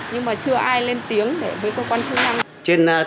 nhưng mà chưa ai lên tiếng để với cơ quan chức năng